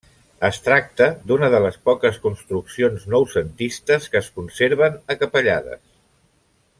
Es tracta d'una de les poques construccions noucentistes que es conserven a Capellades.